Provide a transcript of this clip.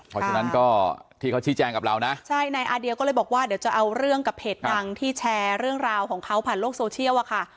เพราะฉะนั้นก็ที่เขาชี้แจงกับเรานะใช่นายอาเดียก็เลยบอกว่าเดี๋ยวจะเอาเรื่องกับเพจดังที่แชร์เรื่องราวของเขาผ่านโลกโซเชียลอะค่ะ